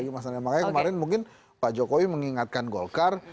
makanya kemarin mungkin pak jokowi mengingatkan golkar